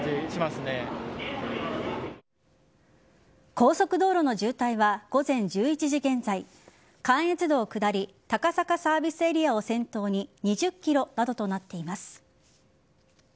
高速道路の渋滞は午前１１時現在関越道下り高坂サービスエリアを先頭に２０ｋｍなどとなっています。